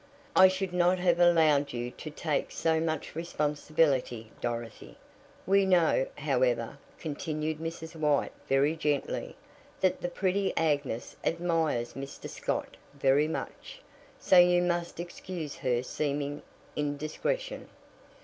I should not have allowed you to take so much responsibility, Dorothy. We know, however," continued Mrs. White very gently, "that the pretty Agnes admires Mr. Scott very much. So you must excuse her seeming indiscretion."